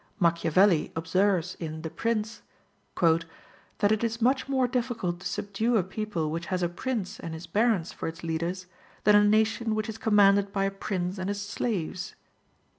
Machiavelli observes in "The Prince," "that it is much more difficult to subdue a people which has a prince and his barons for its leaders, than a nation which is commanded by a prince and his slaves."